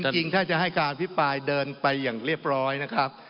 จริงถ้าจะให้การอภิปรายเดินไปอย่างเรียบร้อยนะครับ